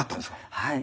はい。